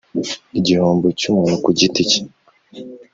igihombo cy umuntu ku giti cye